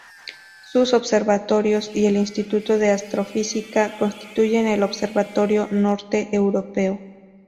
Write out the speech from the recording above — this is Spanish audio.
Sus observatorios y el Instituto de Astrofísica constituyen el Observatorio Norte Europeo.